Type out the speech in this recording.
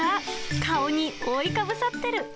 顔に覆いかぶさってる。